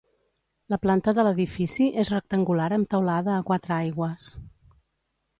La planta de l'edifici és rectangular amb teulada a quatre aigües.